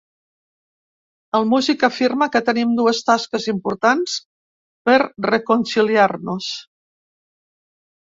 El músic afirma que tenim dues tasques importants per reconciliar-nos.